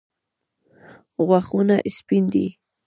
غاښونه سپین دي.